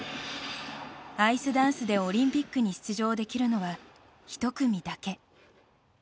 アイスダンスでオリンピックに出場できるのは１組だけ。